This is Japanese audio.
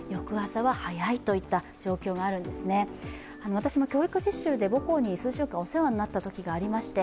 私も教育実習で母校に数週間お世話になったことがありまして